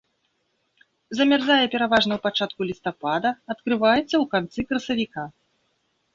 Замярзае пераважна ў пачатку лістапада, адкрываецца ў канцы красавіка.